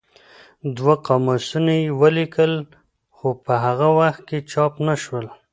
دوه قاموسونه یې ولیکل خو په هغه وخت کې چاپ نه شول.